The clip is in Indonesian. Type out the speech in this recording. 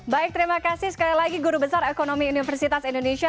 baik terima kasih sekali lagi guru besar ekonomi universitas indonesia